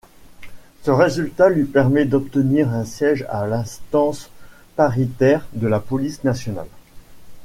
Ce résultat lui permet d'obtenir un siège à l'instance paritaire de la police nationale.